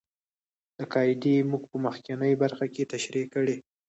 دا قاعدې موږ په مخکینۍ برخه کې تشرېح کړې.